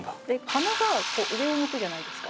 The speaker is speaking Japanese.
鼻がこう上を向くじゃないですか。